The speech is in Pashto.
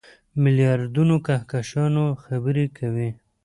میلیاردونو کهکشانونو خبرې کوي.